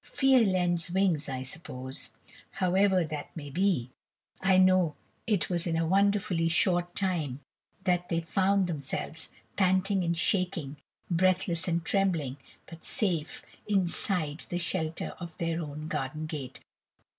Fear lends wings, I suppose. However that may be, I know it was in a wonderfully short time that they found themselves, panting and shaking, breathless and trembling, but safe, inside the shelter of their own garden gate.